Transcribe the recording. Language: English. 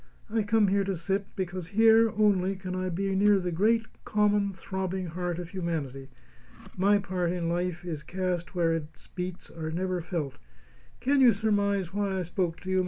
I come here to sit because here, only, can I be near the great, common, throbbing heart of humanity. My part in life is cast where its beats are never felt. Can you surmise why I spoke to you, Mr.